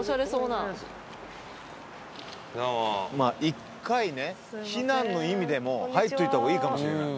１回ね避難の意味でも入っといた方がいいかもしれない。